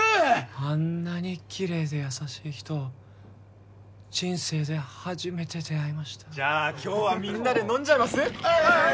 あんなにキレイで優しい人人生で初めて出会いましたじゃあ今日はみんなで飲んじゃいます？